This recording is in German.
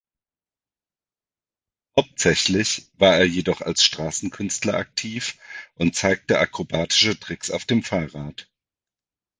Hauptsächlich war er jedoch als Straßenkünstler aktiv und zeigte akrobatische Tricks auf dem Fahrrad.